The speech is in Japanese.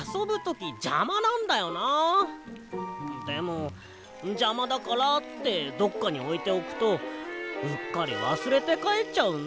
でもじゃまだからってどっかにおいておくとうっかりわすれてかえっちゃうんだ。